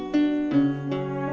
tidak ada apa apa